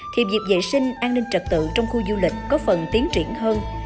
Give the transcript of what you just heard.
thì việc vệ sinh an ninh trật tự trong khu du lịch có phần tiến triển hơn